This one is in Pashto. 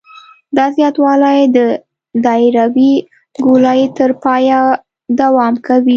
دا زیاتوالی د دایروي ګولایي تر پایه دوام کوي